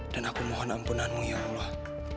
dan aku mohon ampunanmu ya allah